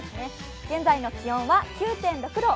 現在の気温は９．６度。